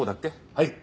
はい。